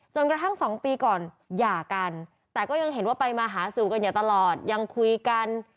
กระทั่ง๒ปีก่อนหย่ากันแต่ก็ยังเห็นว่าไปมาหาสู่กันอยู่ตลอดยังคุยกัน